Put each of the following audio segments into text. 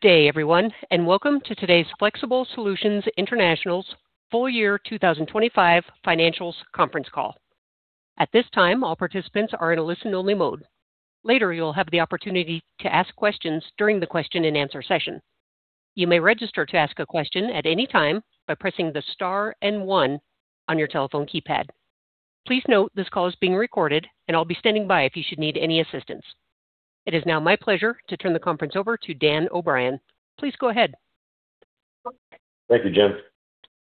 Good day everyone, and welcome to today's Flexible Solutions International's Full Year 2025 Financials Conference Call. At this time, all participants are in a listen-only mode. Later, you'll have the opportunity to ask questions during the question and answer session. You may register to ask a question at any time by pressing the star and one on your telephone keypad. Please note this call is being recorded, and I'll be standing by if you should need any assistance. It is now my pleasure to turn the conference over to Dan O'Brien. Please go ahead. Thank you, Jen.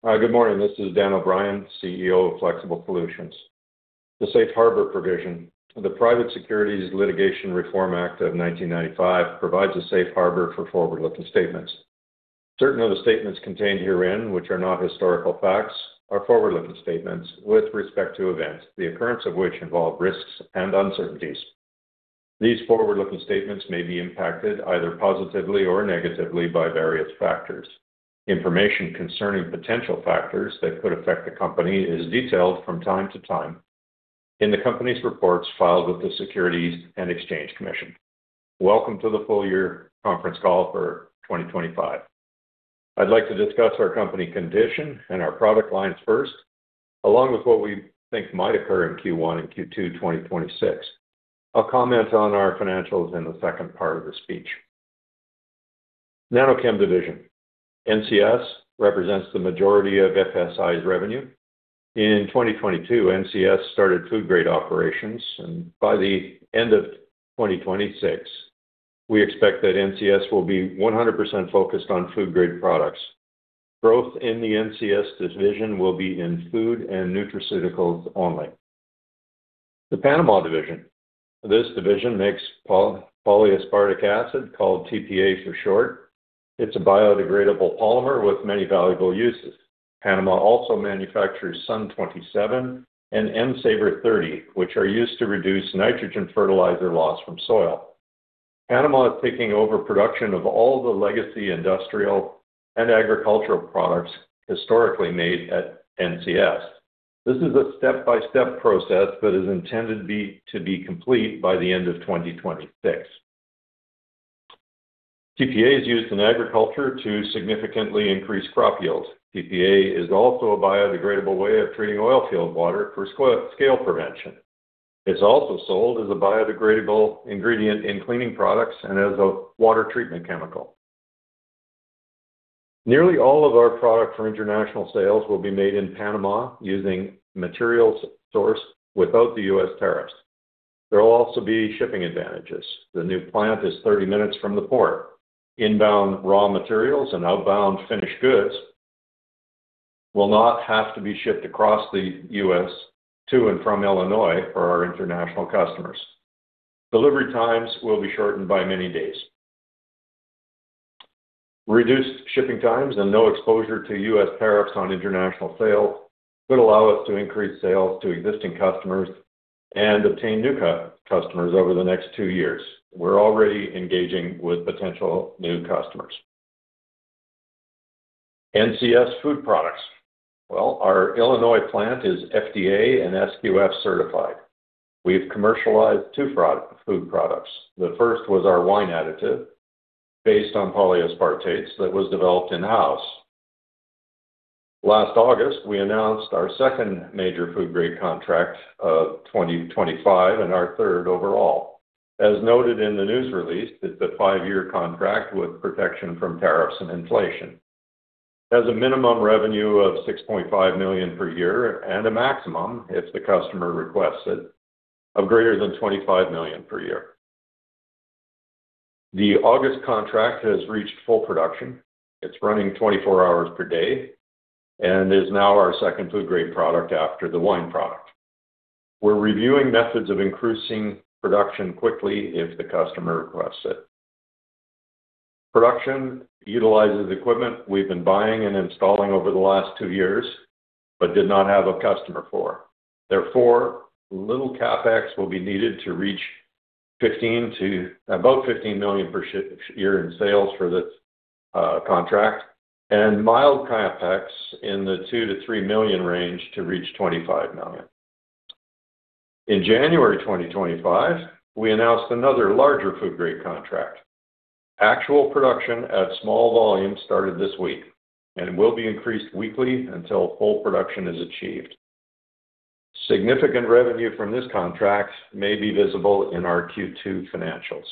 Good morning. This is Dan O'Brien, CEO of Flexible Solutions. The safe harbor provision. The Private Securities Litigation Reform Act of 1995 provides a safe harbor for forward-looking statements. Certain of the statements contained herein, which are not historical facts, are forward-looking statements with respect to events, the occurrence of which involve risks and uncertainties. These forward-looking statements may be impacted either positively or negatively by various factors. Information concerning potential factors that could affect the company is detailed from time to time in the company's reports filed with the Securities and Exchange Commission. Welcome to the full year conference call for 2025. I'd like to discuss our company condition and our product lines first, along with what we think might occur in Q1 and Q2 2026. I'll comment on our financials in the second part of the speech. Nanochem division. NCS represents the majority of FSI's revenue. In 2022, NCS started food grade operations, and by the end of 2026, we expect that NCS will be 100% focused on food grade products. Growth in the NCS division will be in food and nutraceuticals only. The Panama division. This division makes polyaspartic acid, called TPA for short. It's a biodegradable polymer with many valuable uses. Panama also manufactures SUN 27 and N-SAVR 30, which are used to reduce nitrogen fertilizer loss from soil. Panama is taking over production of all the legacy industrial and agricultural products historically made at NCS. This is a step-by-step process that is intended to be complete by the end of 2026. TPA is used in agriculture to significantly increase crop yields. TPA is also a biodegradable way of treating oil field water for scale prevention. It's also sold as a biodegradable ingredient in cleaning products and as a water treatment chemical. Nearly all of our product for international sales will be made in Panama using materials sourced without the U.S. tariffs. There will also be shipping advantages. The new plant is 30 minutes from the port. Inbound raw materials and outbound finished goods will not have to be shipped across the U.S. to and from Illinois for our international customers. Delivery times will be shortened by many days. Reduced shipping times and no exposure to U.S. tariffs on international sales would allow us to increase sales to existing customers and obtain new customers over the next 2 years. We're already engaging with potential new customers. NCS food products. Well, our Illinois plant is FDA and SQF certified. We've commercialized 2 food products. The first was our wine additive based on polyaspartates that was developed in-house. Last August, we announced our second major food grade contract of 2025 and our third overall. As noted in the news release, it's a five-year contract with protection from tariffs and inflation. It has a minimum revenue of $6.5 million per year and a maximum, if the customer requests it, of greater than $25 million per year. The August contract has reached full production. It's running 24 hours per day and is now our second food grade product after the wine product. We're reviewing methods of increasing production quickly if the customer requests it. Production utilizes equipment we've been buying and installing over the last 2 years but did not have a customer for. Therefore, little CapEx will be needed to reach about $15 million per year in sales for this contract and mild CapEx in the $2 million-$3 million range to reach $25 million. In January 2025, we announced another larger food grade contract. Actual production at small volume started this week and will be increased weekly until full production is achieved. Significant revenue from this contract may be visible in our Q2 financials.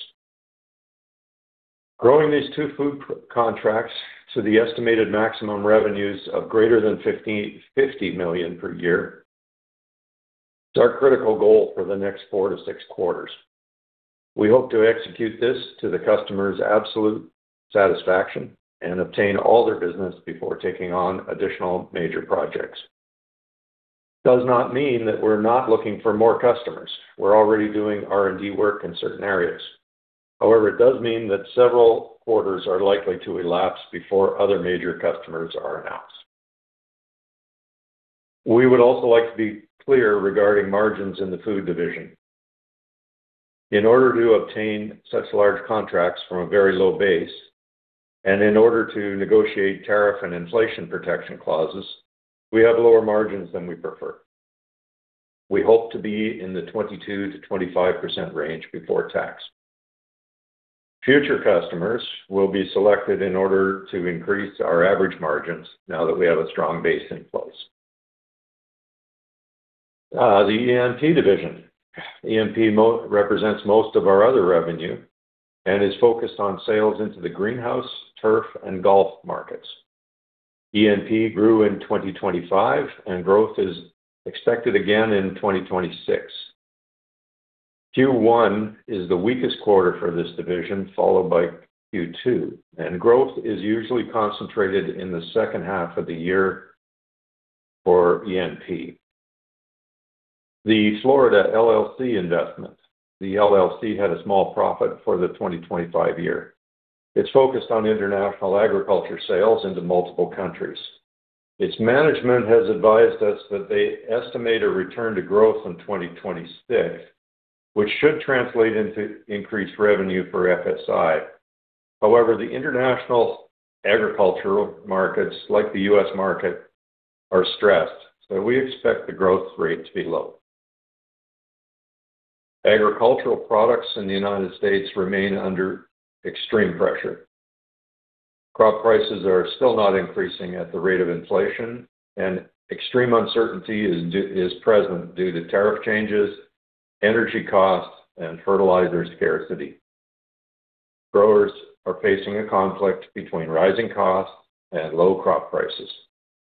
Growing these two food contracts to the estimated maximum revenues of greater than $50 million per year is our critical goal for the next 4-6 quarters. We hope to execute this to the customer's absolute satisfaction and obtain all their business before taking on additional major projects. It does not mean that we're not looking for more customers. We're already doing R&D work in certain areas. However, it does mean that several quarters are likely to elapse before other major customers are announced. We would also like to be clear regarding margins in the food division. In order to obtain such large contracts from a very low base, and in order to negotiate tariff and inflation protection clauses, we have lower margins than we prefer. We hope to be in the 22%-25% range before tax. Future customers will be selected in order to increase our average margins now that we have a strong base in place. The ENP division represents most of our other revenue and is focused on sales into the greenhouse, turf, and golf markets. ENP grew in 2025, and growth is expected again in 2026. Q1 is the weakest quarter for this division, followed by Q2, and growth is usually concentrated in the second half of the year for ENP. The Florida LLC investment had a small profit for the 2025 year. It's focused on international agriculture sales into multiple countries. Its management has advised us that they estimate a return to growth in 2026, which should translate into increased revenue for FSI. However, the international agricultural markets, like the U.S. market, are stressed, so we expect the growth rate to be low. Agricultural products in the United States remain under extreme pressure. Crop prices are still not increasing at the rate of inflation, and extreme uncertainty is present due to tariff changes, energy costs, and fertilizers scarcity. Growers are facing a conflict between rising costs and low crop prices,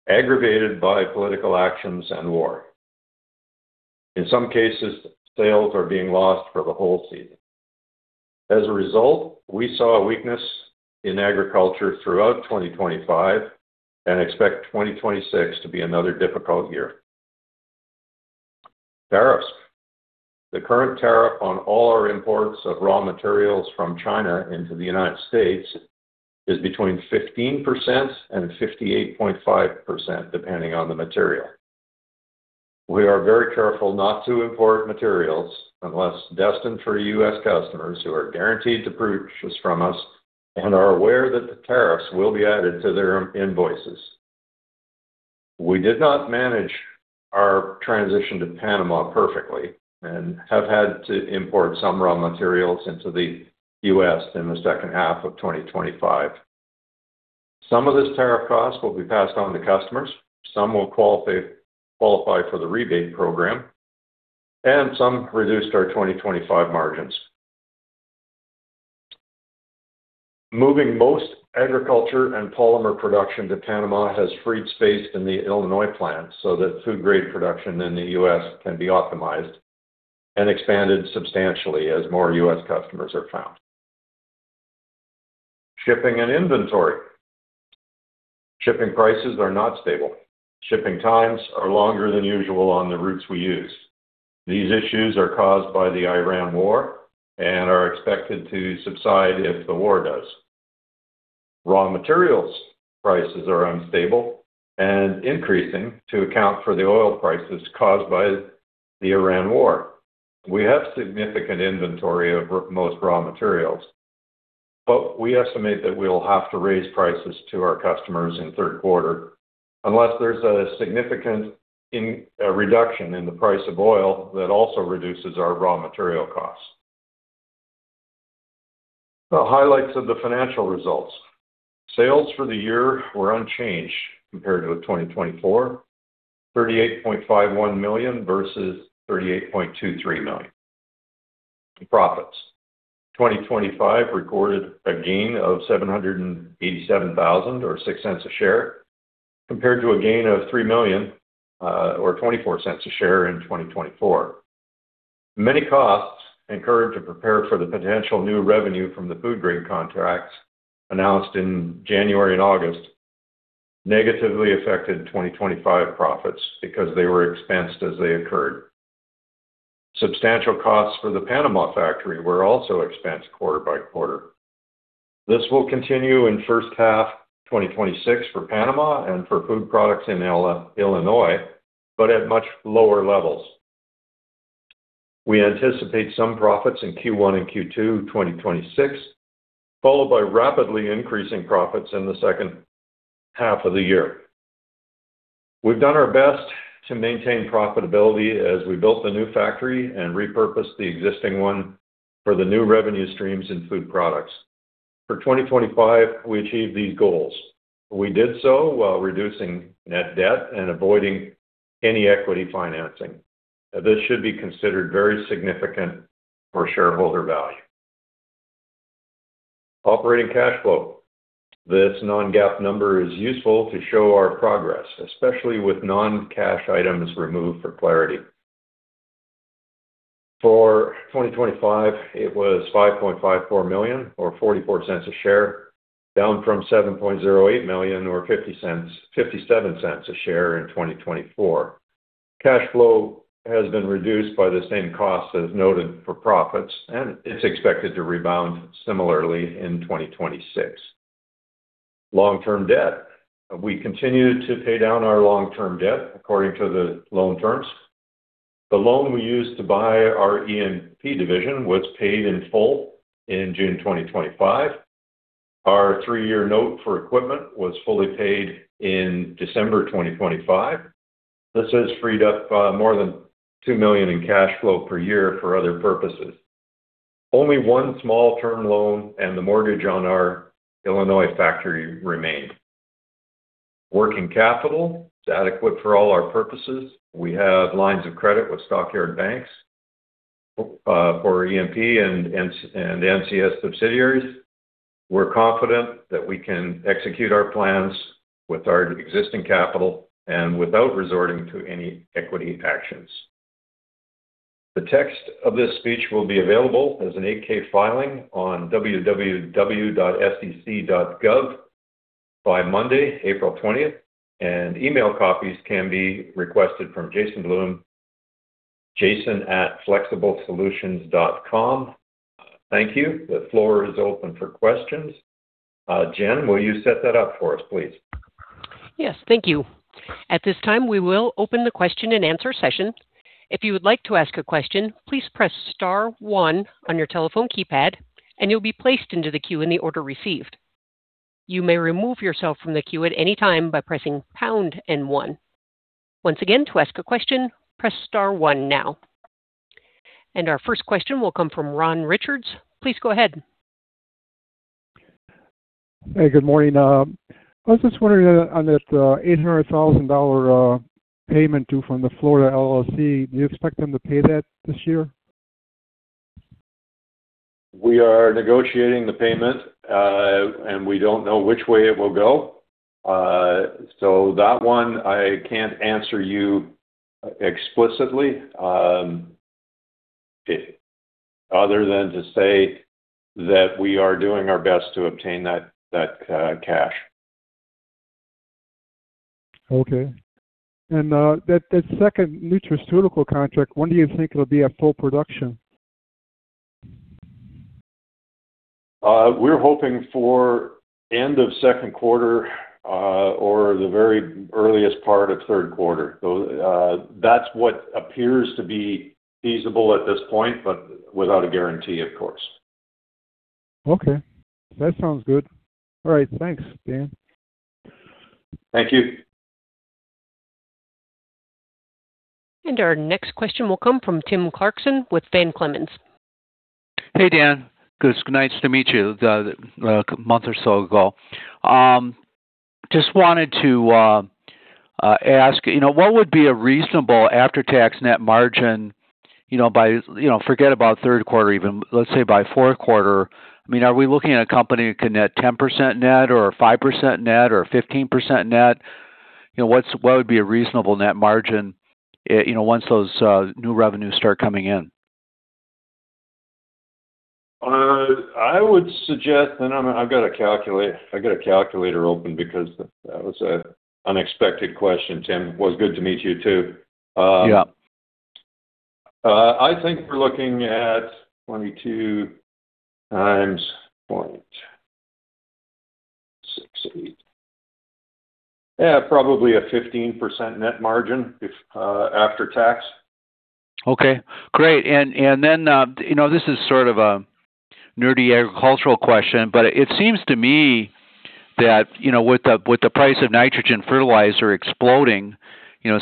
aggravated by political actions and war. In some cases, sales are being lost for the whole season. As a result, we saw a weakness in agriculture throughout 2025 and expect 2026 to be another difficult year. Tariffs. The current tariff on all our imports of raw materials from China into the United States is between 15% and 58.5%, depending on the material. We are very careful not to import materials unless destined for U.S. customers who are guaranteed to purchase from us and are aware that the tariffs will be added to their invoices. We did not manage our transition to Panama perfectly and have had to import some raw materials into the U.S. in the second half of 2025. Some of this tariff cost will be passed on to customers. Some will qualify for the rebate program, and some reduced our 2025 margins. Moving most agriculture and polymer production to Panama has freed space in the Illinois plant so that food grade production in the U.S. can be optimized and expanded substantially as more U.S. customers are found. Shipping and inventory. Shipping prices are not stable. Shipping times are longer than usual on the routes we use. These issues are caused by the Iran war and are expected to subside if the war does. Raw materials prices are unstable and increasing to account for the oil prices caused by the Iran war. We have significant inventory of most raw materials, but we estimate that we'll have to raise prices to our customers in the third quarter unless there's a significant reduction in the price of oil that also reduces our raw material costs. The highlights of the financial results. Sales for the year were unchanged compared to 2024, $38.51 million versus $38.23 million. Profits. 2025 recorded a gain of $787,000 or $0.06 a share compared to a gain of $3 million or $0.24 a share in 2024. Many costs incurred to prepare for the potential new revenue from the food grade contracts announced in January and August negatively affected 2025 profits because they were expensed as they occurred. Substantial costs for the Panama factory were also expensed quarter by quarter. This will continue in the first half of 2026 for Panama and for food products in Illinois, but at much lower levels. We anticipate some profits in Q1 and Q2 2026, followed by rapidly increasing profits in the second half of the year. We've done our best to maintain profitability as we built the new factory and repurposed the existing one for the new revenue streams in food products. For 2025, we achieved these goals. We did so while reducing net debt and avoiding any equity financing. This should be considered very significant for shareholder value. Operating cash flow. This non-GAAP number is useful to show our progress, especially with non-cash items removed for clarity. For 2025, it was $5.54 million or $0.44 per share, down from $7.08 million or $0.57 per share in 2024. Cash flow has been reduced by the same cost as noted for profits, and it's expected to rebound similarly in 2026. Long-term debt. We continue to pay down our long-term debt according to the loan terms. The loan we used to buy our ENP division was paid in full in June 2025. Our three-year note for equipment was fully paid in December 2025. This has freed up more than $2 million in cash flow per year for other purposes. Only one small term loan and the mortgage on our Illinois factory remain. Working capital is adequate for all our purposes. We have lines of credit with Stock Yards Bank & Trust for ENP and NCS subsidiaries. We're confident that we can execute our plans with our existing capital and without resorting to any equity actions. The text of this speech will be available as an 8-K filing on www.sec.gov by Monday, April 20th, and email copies can be requested from Jason Bloom, jason@flexiblesolutions.com. Thank you. The floor is open for questions. Jen, will you set that up for us, please? Yes, thank you. At this time, we will open the question and answer session. If you would like to ask a question, please press *1 on your telephone keypad, and you'll be placed into the queue in the order received. You may remove yourself from the queue at any time by pressing pound and one. Once again, to ask a question, press *1 now. Our first question will come from Ron Richards. Please go ahead. Hey, good morning. I was just wondering on that $800,000 payment due from the Florida LLC, do you expect them to pay that this year? We are negotiating the payment, and we don't know which way it will go. That one I can't answer you explicitly, other than to say that we are doing our best to obtain that cash. Okay. That second nutraceutical contract, when do you think it'll be at full production? We're hoping for end of second quarter, or the very earliest part of third quarter. That's what appears to be feasible at this point, but without a guarantee, of course. Okay. That sounds good. All right. Thanks, Dan. Thank you. Our next question will come from Tim Clarkson with Van Clemens. Hey, Dan. It was nice to meet you a month or so ago. Just wanted to ask, what would be a reasonable after-tax net margin by, forget about third quarter even, let's say by fourth quarter. Are we looking at a company that can net 10% net or 5% net or 15% net? What would be a reasonable net margin once those new revenues start coming in? I've got a calculator open because that was an unexpected question, Tim. It was good to meet you, too. Yeah. I think we're looking at 22x0.68. Yeah, probably a 15% net margin after tax. Okay, great. This is sort of a nerdy agricultural question, but it seems to me that with the price of nitrogen fertilizer exploding,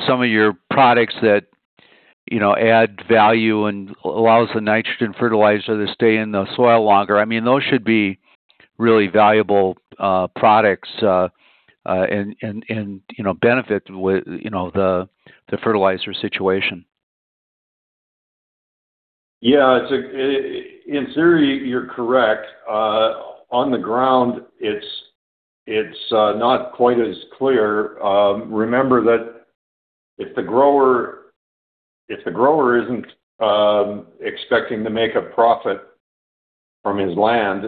some of your products that add value and allows the nitrogen fertilizer to stay in the soil longer, those should be really valuable products and benefit the fertilizer situation. Yeah. In theory, you're correct. On the ground, it's not quite as clear. Remember that if the grower isn't expecting to make a profit from his land,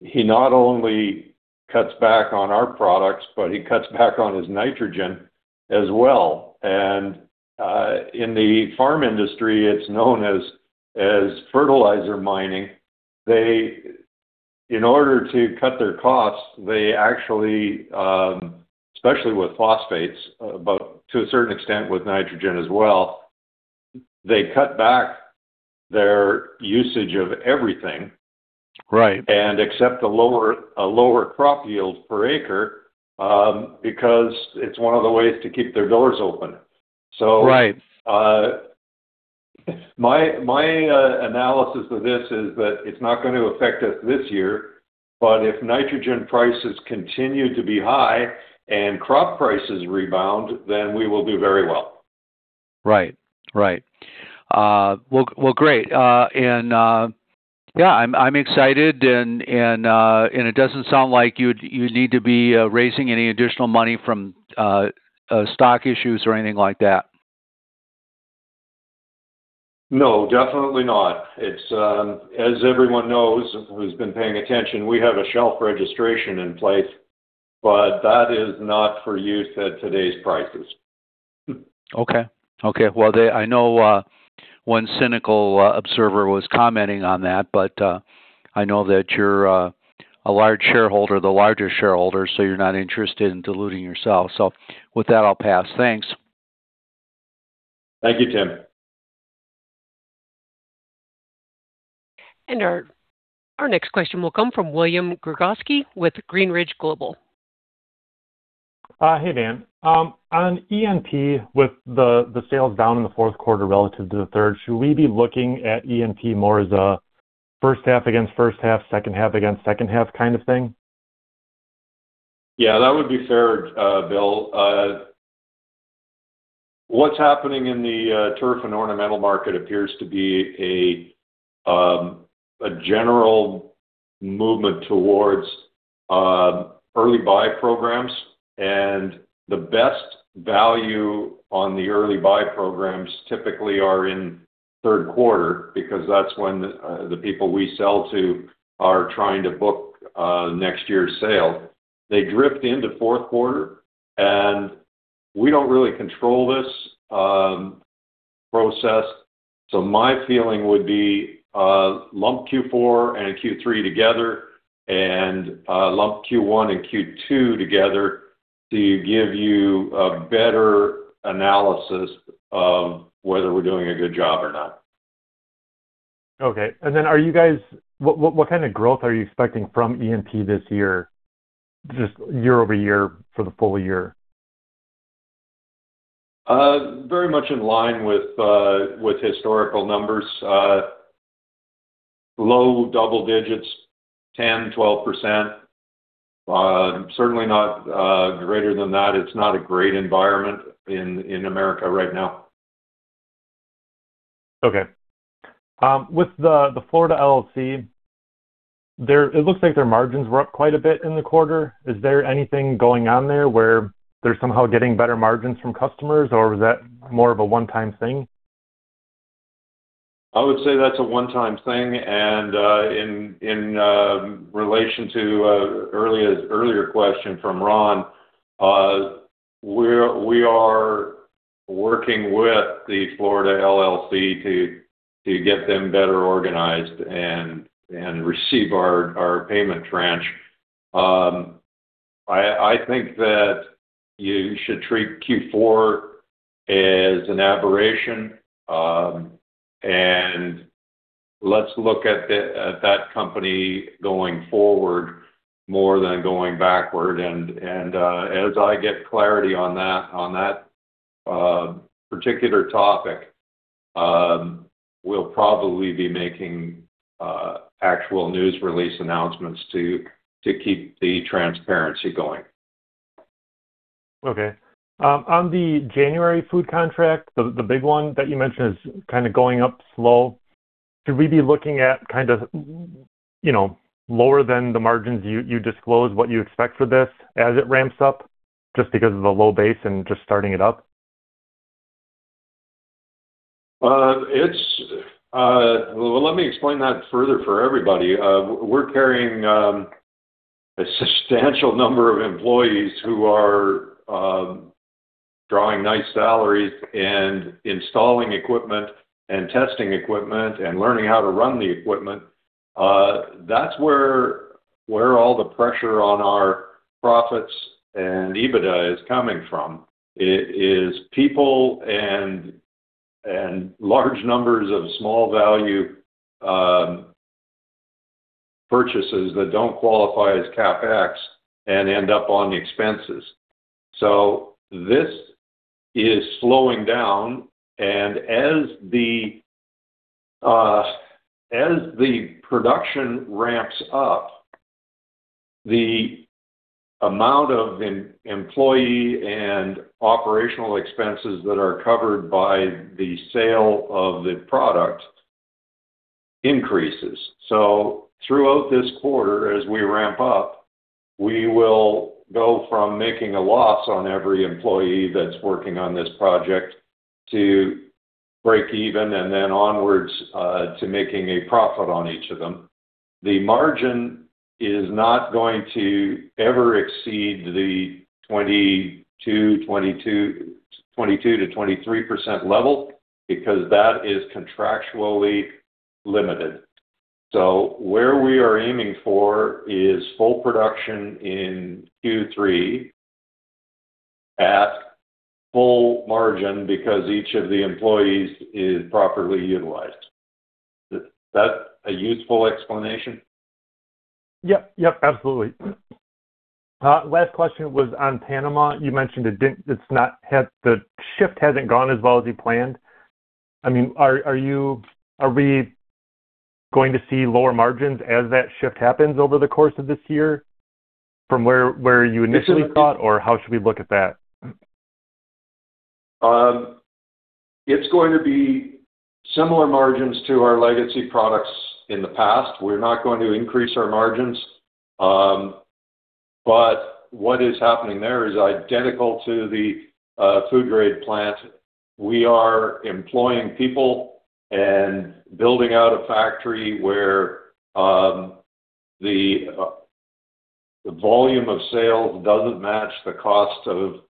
he not only cuts back on our products, but he cuts back on his nitrogen as well. In the farm industry, it's known as fertilizer mining. In order to cut their costs, they actually, especially with phosphates, but to a certain extent with nitrogen as well, they cut back their usage of everything. Right. accept a lower crop yield per acre, because it's one of the ways to keep their doors open. Right My analysis of this is that it's not going to affect us this year, but if nitrogen prices continue to be high and crop prices rebound, then we will do very well. Right. Well, great. Yeah, I'm excited, and it doesn't sound like you need to be raising any additional money from stock issues or anything like that. No, definitely not. As everyone knows who's been paying attention, we have a shelf registration in place, but that is not for use at today's prices. Okay. Well, I know one cynical observer was commenting on that, but I know that you're a large shareholder, the largest shareholder, so you're not interested in diluting yourself. With that, I'll pass. Thanks. Thank you, Tim. Our next question will come from William Gregozeski with Greenridge Global. Hey, Dan. On ENP, with the sales down in the fourth quarter relative to the third, should we be looking at ENP more as a first half against first half, second half against second half kind of thing? Yeah, that would be fair, Bill. What's happening in the turf and ornamental market appears to be a general movement towards early buy programs. The best value on the early buy programs typically are in third quarter, because that's when the people we sell to are trying to book next year's sale. They drift into fourth quarter, and we don't really control this process. My feeling would be, lump Q4 and Q3 together and lump Q1 and Q2 together to give you a better analysis of whether we're doing a good job or not. Okay. What kind of growth are you expecting from ENP this year, just year-over-year for the full year? Very much in line with historical numbers, low double digits, 10%, 12%. Certainly not greater than that. It's not a great environment in America right now. Okay. With the Florida LLC, it looks like their margins were up quite a bit in the quarter. Is there anything going on there where they're somehow getting better margins from customers, or was that more of a one-time thing? I would say that's a one-time thing, and in relation to earlier question from Ron, we are working with the Florida LLC to get them better organized and receive our payment tranche. I think that you should treat Q4 as an aberration. Let's look at that company going forward more than going backward. As I get clarity on that particular topic, we'll probably be making actual news release announcements to keep the transparency going. Okay. On the January food contract, the big one that you mentioned is kind of going up slow. Should we be looking at kind of lower than the margins you disclosed what you expect for this as it ramps up, just because of the low base and just starting it up? Well, let me explain that further for everybody. We're carrying a substantial number of employees who are drawing nice salaries and installing equipment and testing equipment and learning how to run the equipment. That's where all the pressure on our profits and EBITDA is coming from. It is people and large numbers of small value purchases that don't qualify as CapEx and end up on the expenses. This is slowing down, and as the production ramps up, the amount of employee and operational expenses that are covered by the sale of the product increases. Throughout this quarter, as we ramp up, we will go from making a loss on every employee that's working on this project to break even, and then onwards to making a profit on each of them. The margin is not going to ever exceed the 22%-23% level, because that is contractually limited. Where we are aiming for is full production in Q3 at full margin, because each of the employees is properly utilized. Is that a useful explanation? Yep, absolutely. Last question was on Panama. You mentioned the shift hasn't gone as well as you planned. Are we going to see lower margins as that shift happens over the course of this year from where you initially thought, or how should we look at that? It's going to be similar margins to our legacy products in the past. We're not going to increase our margins. What is happening there is identical to the food grade plant. We are employing people and building out a factory where the volume of sales doesn't match the cost of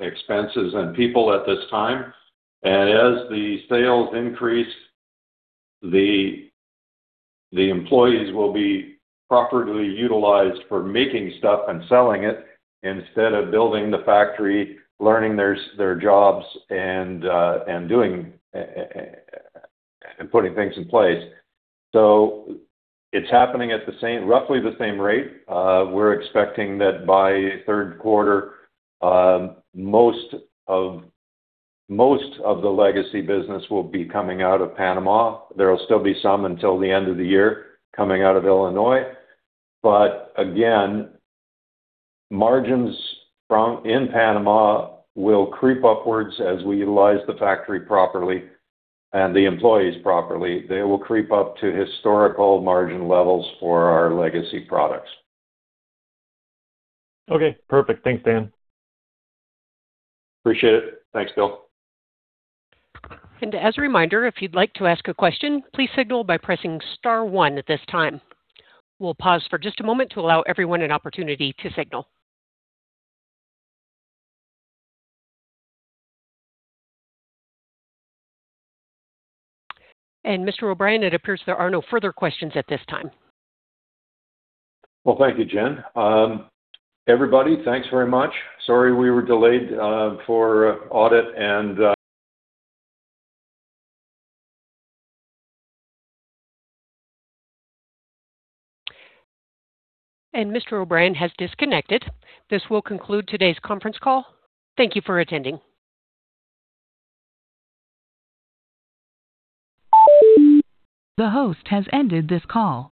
expenses and people at this time. As the sales increase, the employees will be properly utilized for making stuff and selling it instead of building the factory, learning their jobs, and putting things in place. It's happening at roughly the same rate. We're expecting that by third quarter, most of the legacy business will be coming out of Panama. There will still be some until the end of the year coming out of Illinois. Again, margins in Panama will creep upwards as we utilize the factory properly and the employees properly. They will creep up to historical margin levels for our legacy products. Okay, perfect. Thanks, Dan. Appreciate it. Thanks, Bill. As a reminder, if you'd like to ask a question, please signal by pressing *1 at this time. We'll pause for just a moment to allow everyone an opportunity to signal. Mr. O'Brien, it appears there are no further questions at this time. Well, thank you, Jen. Everybody, thanks very much. Sorry we were delayed for audit. Mr. O'Brien has disconnected. This will conclude today's conference call. Thank you for attending. The host has ended this call.